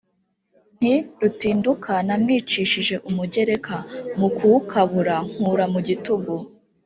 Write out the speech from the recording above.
nti: rutinduka namwicishije umugereka, mu kuwukabura nkura mu gitugu